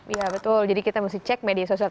iya betul jadi kita mesti cek media sosial